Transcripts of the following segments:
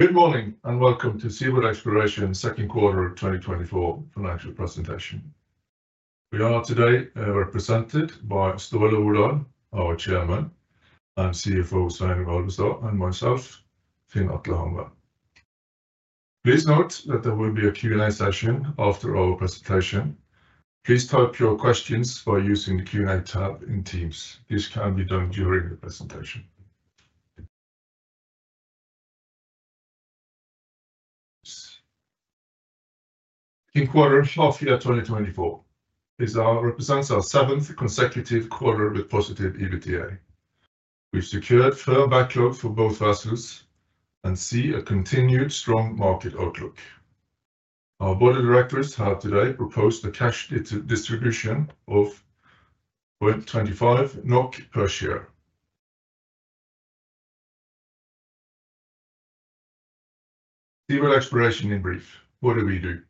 Good morning, and welcome to SeaBird Exploration Second Quarter of 2024 Financial Presentation. We are today represented by Ståle Rodahl, our chairman, and CFO Sveinung Alvestad and myself, Finn Atle Hamre. Please note that there will be a Q&A session after our presentation. Please type your questions by using the Q&A tab in Teams. This can be done during the presentation. In the first half of 2024, this represents our seventh consecutive quarter with positive EBITDA. We've secured firm backlog for both vessels and see a continued strong market outlook. Our board of directors have today proposed a cash distribution of 0.25 NOK per share. SeaBird Exploration in brief, what do we do?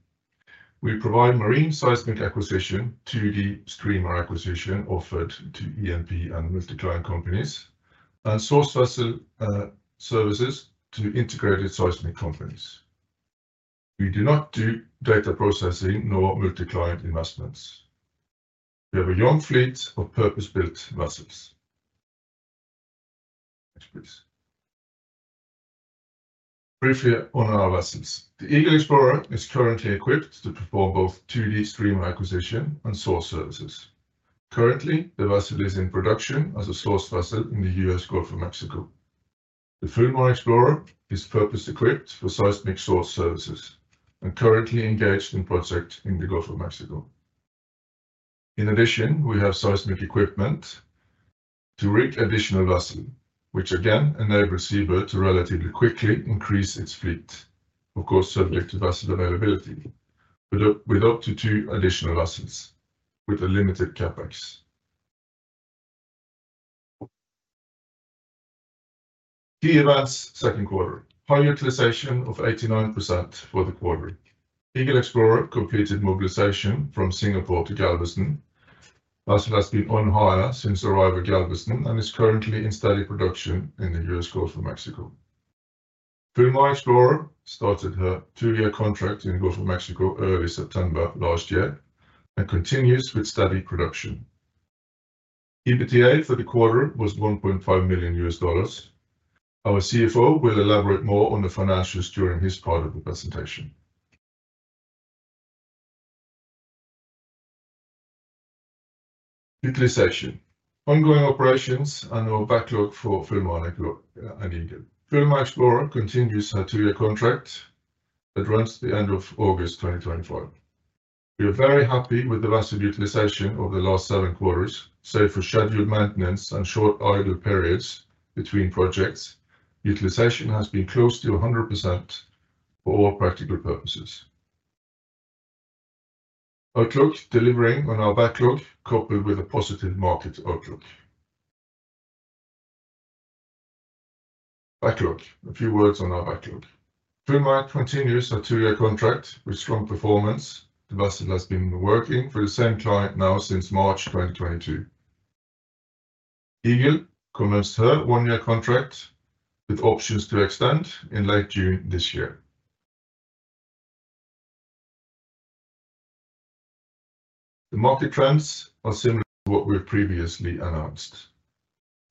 We provide marine seismic acquisition, 2D streamer acquisition offered to E&P and multi-client companies, and source vessel services to integrated seismic companies. We do not do data processing nor multi-client investments. We have a young fleet of purpose-built vessels. Next, please. Brief here on our vessels. The Eagle Explorer is currently equipped to perform both 2D streamer acquisition and source services. Currently, the vessel is in production as a source vessel in the U.S. Gulf of Mexico. The Fulmar Explorer is purpose-equipped for seismic source services and currently engaged in project in the Gulf of Mexico. In addition, we have seismic equipment to rig additional vessel, which again enables SeaBird to relatively quickly increase its fleet, of course, subject to vessel availability, with up to two additional vessels with a limited CapEx. Key events, second quarter. High utilization of 89% for the quarter. Eagle Explorer completed mobilization from Singapore to Galveston, as it has been on hire since arrival at Galveston and is currently in steady production in the US Gulf of Mexico. Fulmar Explorer started her two-year contract in the Gulf of Mexico early September last year and continues with steady production. EBITDA for the quarter was $1.5 million. Our CFO will elaborate more on the financials during his part of the presentation. Utilization. Ongoing operations and our backlog for Fulmar Explor- and Eagle. Fulmar Explorer continues her two-year contract that runs to the end of August 2024. We are very happy with the vessel utilization over the last seven quarters, save for scheduled maintenance and short idle periods between projects, utilization has been close to 100% for all practical purposes. Outlook, delivering on our backlog, coupled with a positive market outlook. Backlog. A few words on our backlog. Fulmar continues her 2-year contract with strong performance. The vessel has been working for the same client now since March 2022. Eagle commenced her 1-year contract with options to extend in late June this year. The market trends are similar to what we've previously announced.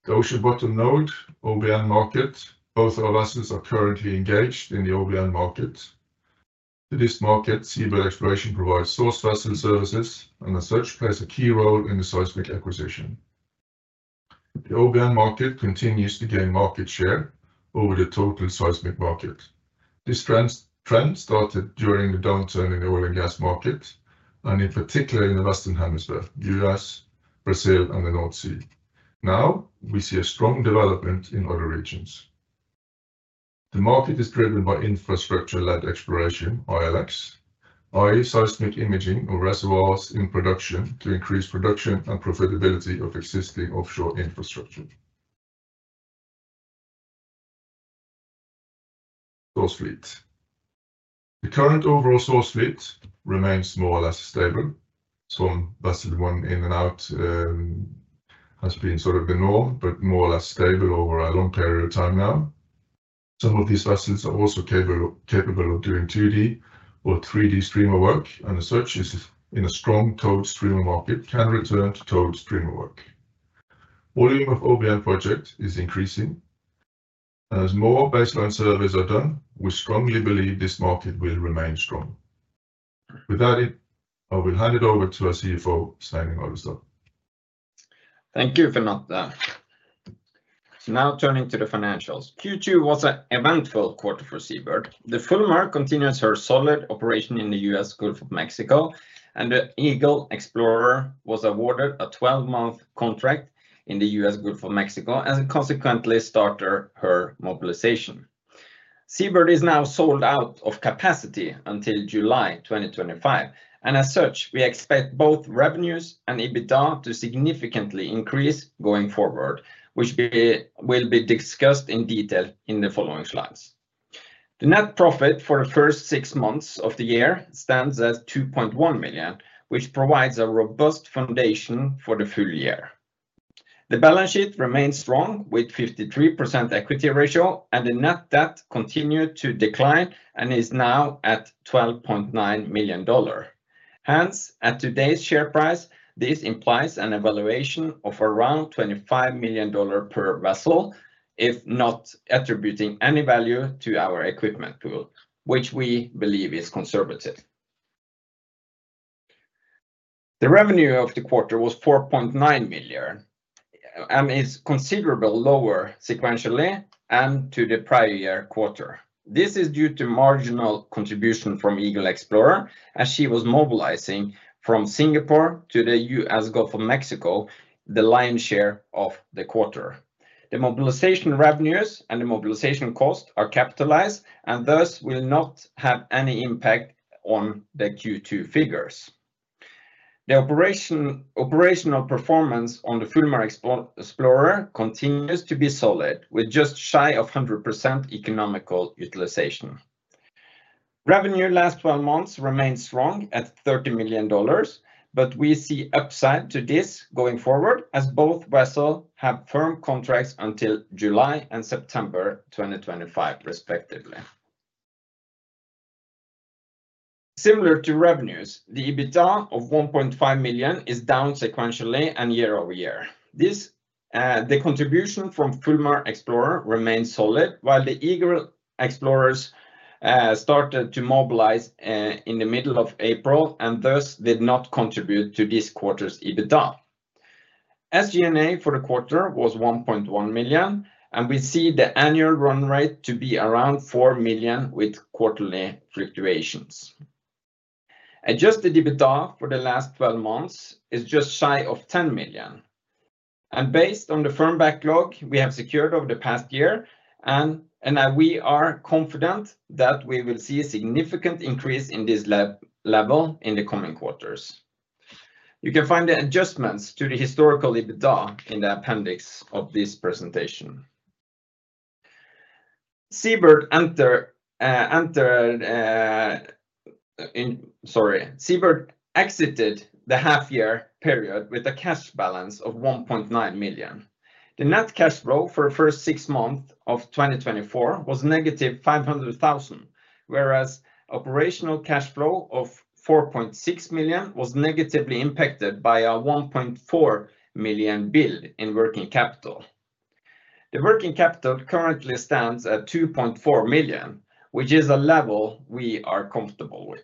The Ocean Bottom Node, OBN market, both our vessels are currently engaged in the OBN market. To this market, SeaBird Exploration provides source vessel services, and as such, plays a key role in the seismic acquisition. The OBN market continues to gain market share over the total seismic market. This trend started during the downturn in the oil and gas market, and in particular in the Western Hemisphere, U.S., Brazil, and the North Sea. Now, we see a strong development in other regions. The market is driven by infrastructure-led exploration, ILX, i.e., seismic imaging or reservoirs in production to increase production and profitability of existing offshore infrastructure. Source fleet. The current overall source fleet remains more or less stable. Some vessels, one in and out, has been sort of the norm, but more or less stable over a long period of time now. Some of these vessels are also capable of doing 2D or 3D streamer work, and the source is in a strong towed streamer market, can return to towed streamer work. Volume of OBN project is increasing. As more baseline surveys are done, we strongly believe this market will remain strong. With that, I will hand it over to our CFO, Sveinung Alvestad. Thank you, Finn Atle. So now turning to the financials. Q2 was an eventful quarter for SeaBird. The Fulmar continues her solid operation in the US Gulf of Mexico, and the Eagle Explorer was awarded a 12-month contract in the US Gulf of Mexico, and consequently, started her mobilization. SeaBird is now sold out of capacity until July 2025, and as such, we expect both revenues and EBITDA to significantly increase going forward, which will be, will be discussed in detail in the following slides. The net profit for the first six months of the year stands at $2.1 million, which provides a robust foundation for the full year. The balance sheet remains strong with 53% equity ratio, and the net debt continued to decline and is now at $12.9 million. Hence, at today's share price, this implies an evaluation of around $25 million per vessel, if not attributing any value to our equipment pool, which we believe is conservative. The revenue of the quarter was $4.9 billion, is considerably lower sequentially and to the prior year quarter. This is due to marginal contribution from Eagle Explorer as she was mobilizing from Singapore to the U.S. Gulf of Mexico, the lion's share of the quarter. The mobilization revenues and the mobilization costs are capitalized and thus will not have any impact on the Q2 figures. The operational performance on the Fulmar Explorer continues to be solid, with just shy of 100% economical utilization. Revenue last twelve months remained strong at $30 million, but we see upside to this going forward, as both vessel have firm contracts until July and September 2025, respectively. Similar to revenues, the EBITDA of $1.5 million is down sequentially and year over year. This, the contribution from Fulmar Explorer remains solid, while the Eagle Explorer started to mobilize in the middle of April, and thus did not contribute to this quarter's EBITDA. SG&A for the quarter was $1.1 million, and we see the annual run rate to be around $4 million, with quarterly fluctuations. Adjusted EBITDA for the last 12 months is just shy of $10 million, and based on the firm backlog we have secured over the past year, and we are confident that we will see a significant increase in this level in the coming quarters. You can find the adjustments to the historical EBITDA in the appendix of this presentation. SeaBird entered in, Sorry. SeaBird exited the half year period with a cash balance of $1.9 million. The net cash flow for the first six months of 2024 was negative $500,000, whereas operational cash flow of $4.6 million was negatively impacted by a $1.4 million build in working capital. The working capital currently stands at $2.4 million, which is a level we are comfortable with.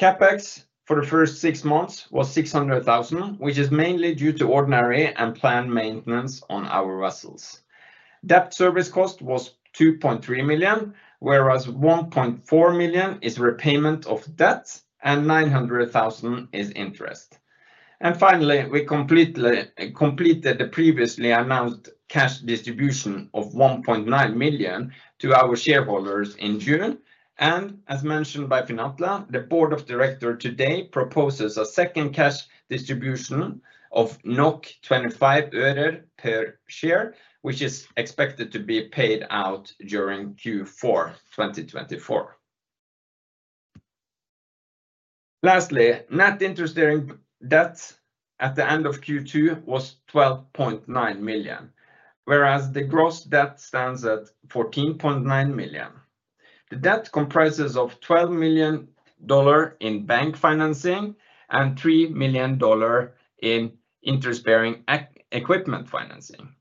CapEx for the first six months was $600,000, which is mainly due to ordinary and planned maintenance on our vessels. Debt service cost was $2.3 million, whereas $1.4 million is repayment of debt and $900,000 is interest. Finally, we completely completed the previously announced cash distribution of $1.9 million to our shareholders in June. And as mentioned by Finn Atle, the board of directors today proposes a second cash distribution of NOK 25 øre per share, which is expected to be paid out during Q4 2024. Lastly, net interest-bearing debt at the end of Q2 was $12.9 million, whereas the gross debt stands at $14.9 million. The debt comprises $12 million in bank financing and $3 million in interest-bearing equipment financing.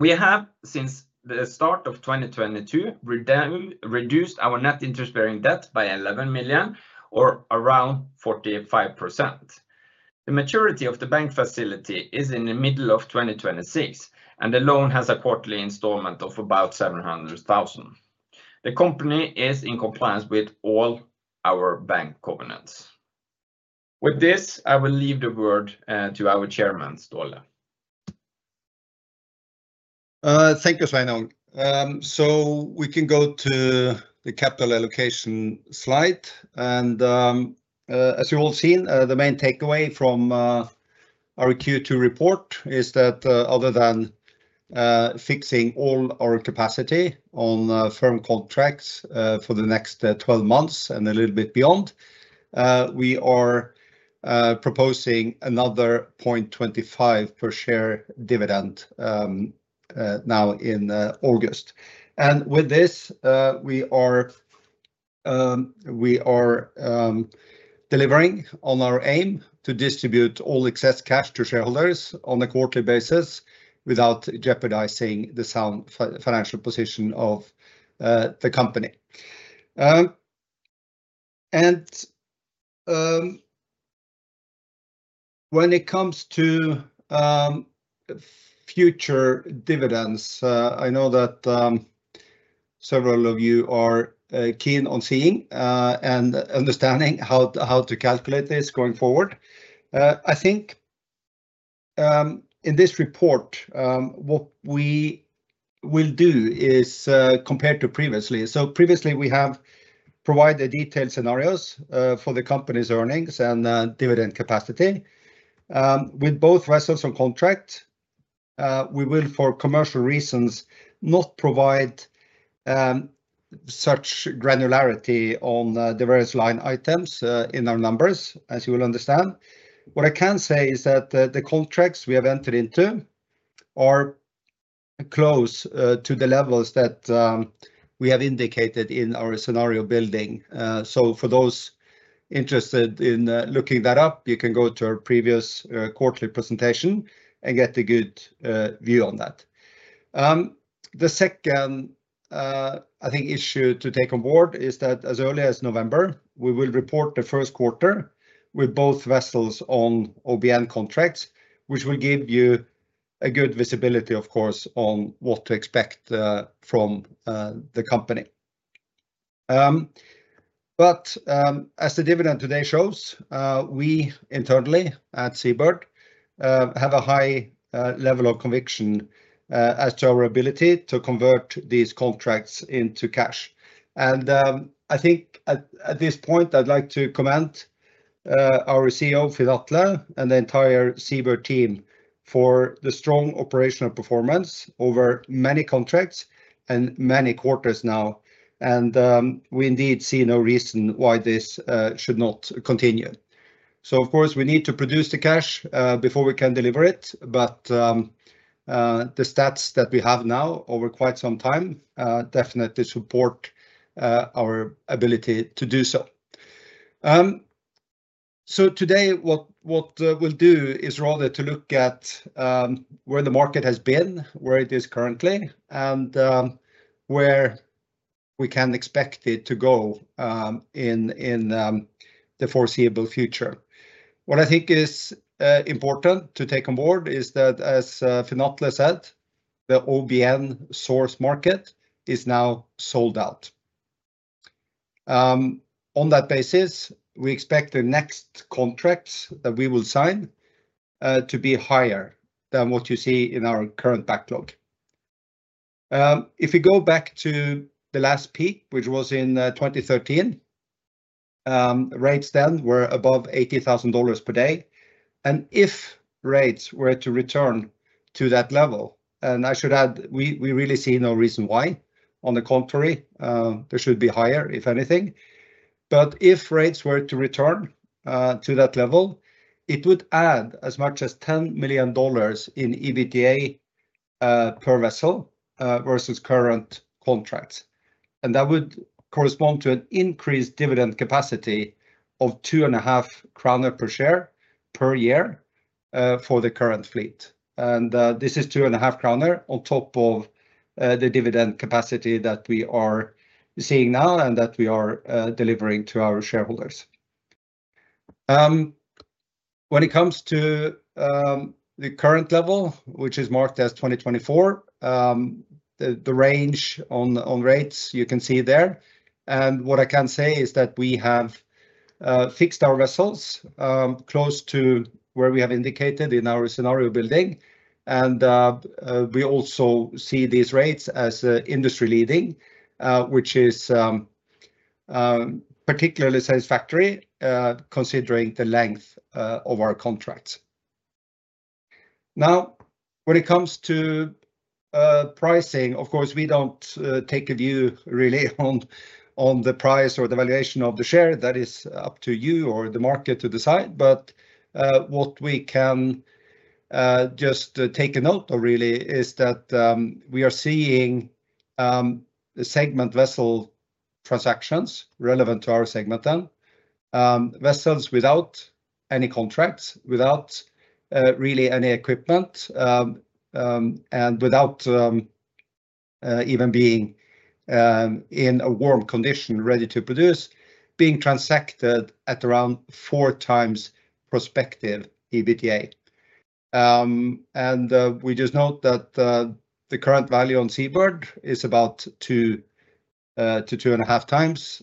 We have, since the start of 2022, reduced our net interest-bearing debt by $11 million, or around 45%. The maturity of the bank facility is in the middle of 2026, and the loan has a quarterly installment of about $700,000. The company is in compliance with all our bank covenants. With this, I will leave the word to our chairman, Ståle. Thank you, Sveinung. So we can go to the capital allocation slide, and, as you've all seen, the main takeaway from our Q2 report is that, other than fixing all our capacity on firm contracts, for the next 12 months and a little bit beyond, we are proposing another $0.25 per share dividend, now in August. And with this, we are delivering on our aim to distribute all excess cash to shareholders on a quarterly basis without jeopardizing the sound financial position of the company. And when it comes to future dividends, I know that several of you are keen on seeing and understanding how to calculate this going forward. I think, in this report, what we will do is, compared to previously, so previously we have provided detailed scenarios, for the company's earnings and, dividend capacity, with both vessels and contract. We will, for commercial reasons, not provide, such granularity on the various line items, in our numbers, as you will understand. What I can say is that the, the contracts we have entered into are close, to the levels that, we have indicated in our scenario building. So for those interested in, looking that up, you can go to our previous, quarterly presentation and get a good, view on that. The second, I think issue to take on board is that as early as November, we will report the first quarter with both vessels on OBN contracts, which will give you a good visibility, of course, on what to expect, from the company. But, as the dividend today shows, we internally at SeaBird, have a high level of conviction, as to our ability to convert these contracts into cash. And, I think at this point, I'd like to commend our CEO, Finn Atle, and the entire SeaBird team for the strong operational performance over many contracts and many quarters now. And, we indeed see no reason why this should not continue. So of course, we need to produce the cash before we can deliver it, but the stats that we have now over quite some time definitely support our ability to do so. So today, what we'll do is rather to look at where the market has been, where it is currently, and where we can expect it to go in the foreseeable future. What I think is important to take on board is that, as Finn Atle said, the OBN source market is now sold out. On that basis, we expect the next contracts that we will sign to be higher than what you see in our current backlog. If you go back to the last peak, which was in 2013, rates then were above $80,000 per day. If rates were to return to that level, and I should add, we really see no reason why. On the contrary, they should be higher, if anything. But if rates were to return to that level, it would add as much as $10 million in EBITDA per vessel versus current contracts. And that would correspond to an increased dividend capacity of 2.5 crown per share per year for the current fleet. And this is 2.5 on top of the dividend capacity that we are seeing now and that we are delivering to our shareholders. When it comes to the current level, which is marked as 2024, the range on rates, you can see there. What I can say is that we have fixed our vessels close to where we have indicated in our scenario building. We also see these rates as industry leading, which is particularly satisfactory considering the length of our contracts. Now, when it comes to pricing, of course, we don't take a view really on the price or the valuation of the share. That is up to you or the market to decide. But what we can just take a note of really is that we are seeing the segment vessel transactions relevant to our segment then. Vessels without any contracts, without really any equipment, and without even being in a warm condition, ready to produce, being transacted at around four times prospective EBITDA. We just note that the current value on SeaBird is about 2x-2.5x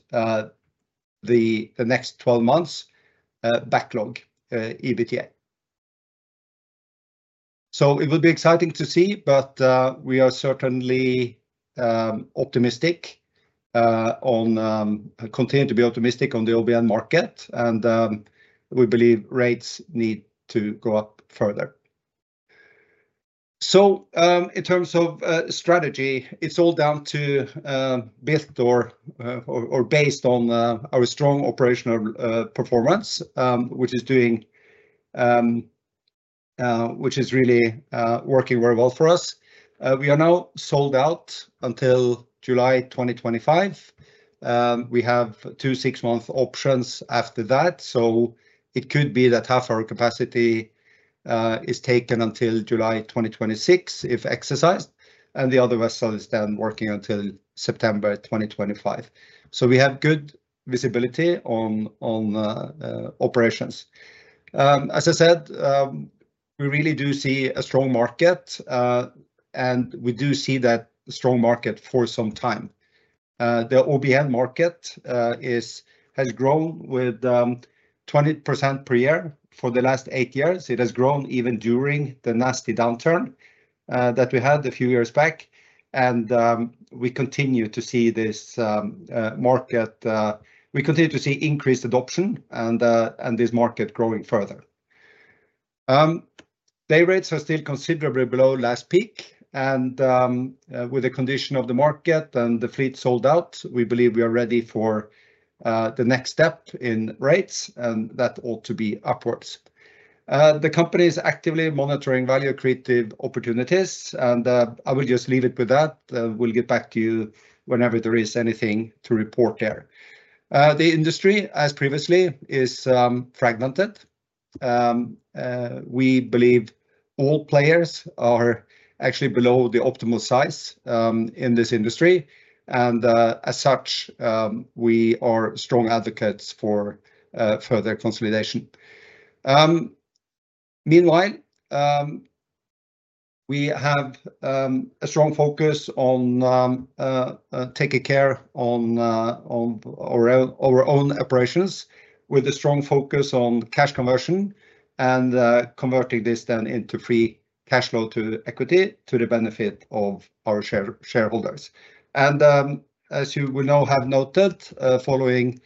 the next 12 months backlog EBITDA. So it will be exciting to see, but we are certainly optimistic on continue to be optimistic on the OBN market, and we believe rates need to go up further. So, in terms of strategy, it's all down to built or based on our strong operational performance, which is really working very well for us. We are now sold out until July 2025. We have two six-month options after that, so it could be that half our capacity is taken until July 2026, if exercised, and the other vessel is then working until September 2025. So we have good visibility on operations. As I said, we really do see a strong market, and we do see that strong market for some time. The OBN market has grown with 20% per year for the last eight years. It has grown even during the nasty downturn that we had a few years back. And we continue to see this market. We continue to see increased adoption and this market growing further. Day rates are still considerably below last peak, and with the condition of the market and the fleet sold out, we believe we are ready for the next step in rates, and that ought to be upwards. The company is actively monitoring value creative opportunities, and I will just leave it with that. We'll get back to you whenever there is anything to report there. The industry, as previously, is fragmented. We believe all players are actually below the optimal size in this industry, and as such, we are strong advocates for further consolidation. Meanwhile, we have a strong focus on taking care on our own operations, with a strong focus on cash conversion and converting this then into free cash flow to equity to the benefit of our shareholders. And, as you will now have noted, following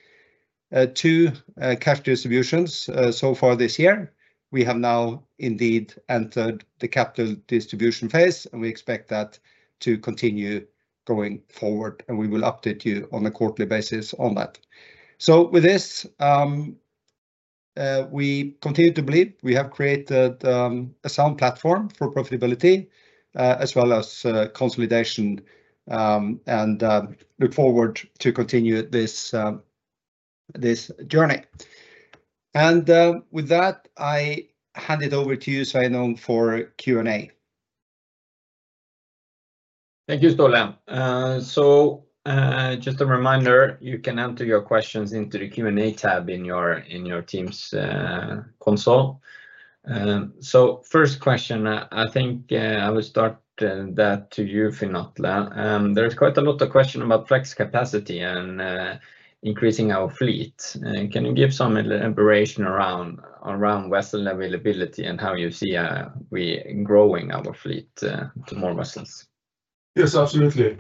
two cash distributions so far this year, we have now indeed entered the capital distribution phase, and we expect that to continue going forward, and we will update you on a quarterly basis on that. So with this, we continue to believe we have created a sound platform for profitability as well as consolidation, and look forward to continue this journey. And, with that, I hand it over to you, Sveinung, for Q&A. Thank you, Ståle. So, just a reminder, you can enter your questions into the Q&A tab in your, in your team's console. First question, I think, I will start that to you, Finn Atle. There is quite a lot of question about flex capacity and increasing our fleet. Can you give some elaboration around, around vessel availability and how you see we growing our fleet to more vessels? Yes, absolutely.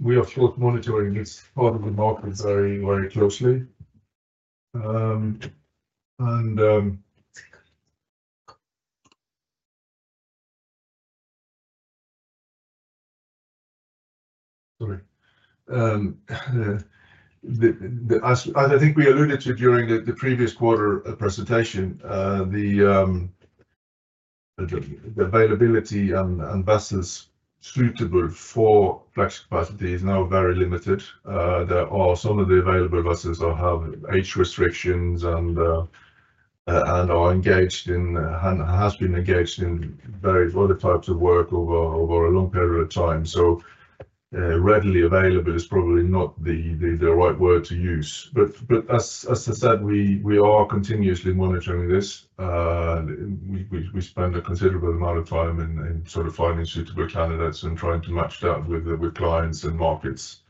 We are of course monitoring this part of the market very, very closely. Sorry. As I think we alluded to during the previous quarter presentation, the availability and vessels suitable for flex capacity is now very limited. There are some of the available vessels are have age restrictions and are engaged in and has been engaged in various other types of work over a long period of time. So, readily available is probably not the right word to use. But as I said, we spend a considerable amount of time in sort of finding suitable candidates and trying to match that with clients and markets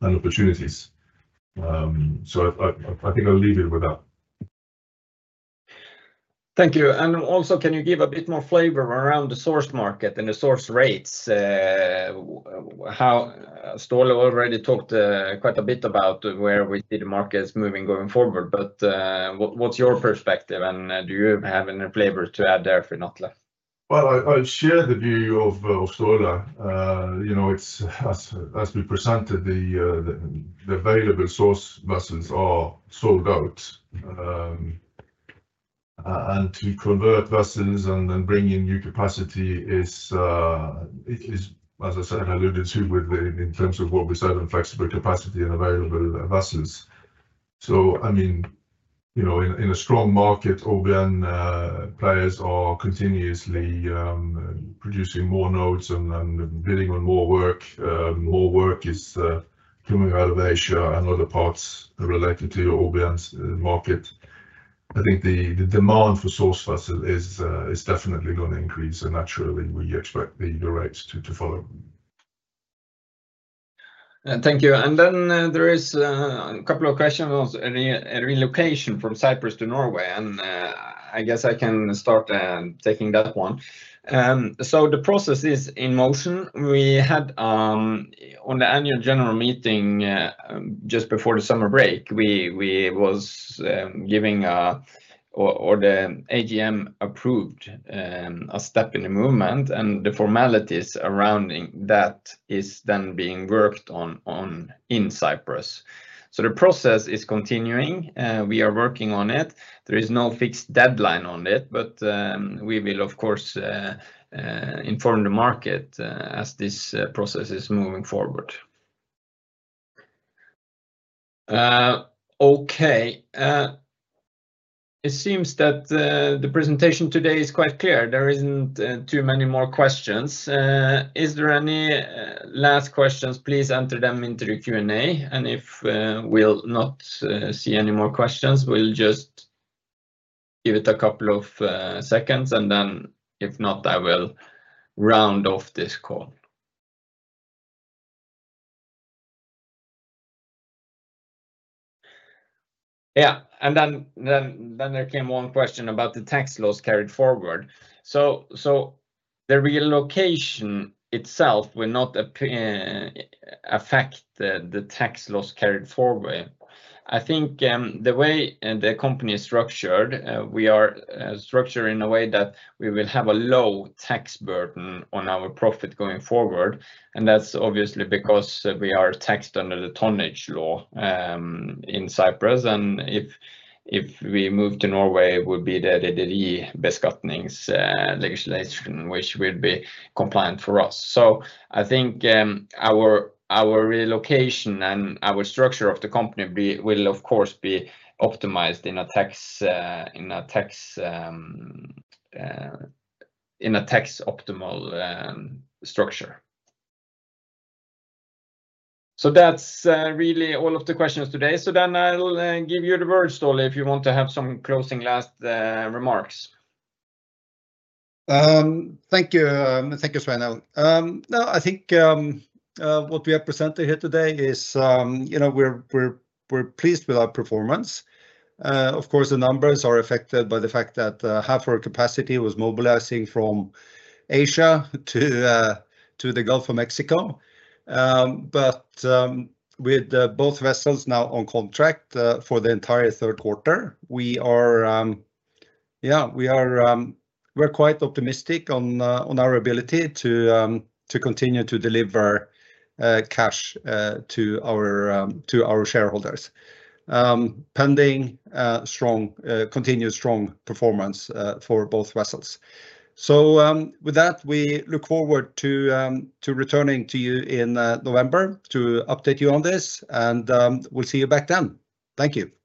and opportunities. I think I'll leave it with that. Thank you. And also, can you give a bit more flavor around the source market and the source rates? How Ståle already talked quite a bit about where we see the markets moving going forward, but what, what's your perspective, and do you have any flavor to add there for Finn Atle? Well, I share the view of Ståle. You know, it's as we presented the available source vessels are sold out. And to convert vessels and then bring in new capacity is, as I said, I alluded to with the, in terms of what we said on flexible capacity and available vessels. So I mean, you know, in a strong market, OBN players are continuously producing more nodes and bidding on more work. More work is coming out of Asia and other parts related to OBN's market. I think the demand for source vessel is definitely going to increase, and naturally we expect the rates to follow. Thank you. Then, there is a couple of questions on a relocation from Cyprus to Norway, and I guess I can start taking that one. So the process is in motion. We had, on the annual general meeting, just before the summer break, we, we was, giving, or, or the AGM approved, a step in the movement, and the formalities around that is then being worked on in Cyprus. So the process is continuing, we are working on it. There is no fixed deadline on it, but we will, of course, inform the market as this process is moving forward. Okay, it seems that the presentation today is quite clear. There isn't too many more questions. Is there any last questions, please enter them into the Q&A, and if we'll not see any more questions, we'll just give it a couple of seconds, and then if not, I will round off this call. Yeah, and then there came one question about the tax laws carried forward. So the relocation itself will not affect the tax laws carried forward. I think the way the company is structured, we are structured in a way that we will have a low tax burden on our profit going forward, and that's obviously because we are taxed under the tonnage tax in Cyprus. And if we move to Norway, it would be the Rederibeskatning legislation, which will be compliant for us. So I think our relocation and our structure of the company will of course be optimized in a tax optimal structure. So that's really all of the questions today. So then I'll give you the word, Ståle, if you want to have some closing last remarks. Thank you. Thank you, Sveinung. No, I think what we have presented here today is, you know, we're pleased with our performance. Of course, the numbers are affected by the fact that half our capacity was mobilizing from Asia to the Gulf of Mexico. But with both vessels now on contract for the entire third quarter, we are, yeah, we are, we're quite optimistic on our ability to continue to deliver cash to our shareholders. Pending strong continued strong performance for both vessels. So, with that, we look forward to returning to you in November to update you on this, and we'll see you back then. Thank you.